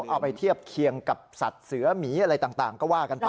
เอาไปเทียบเคียงกับสัตว์เสือหมีอะไรต่างก็ว่ากันไป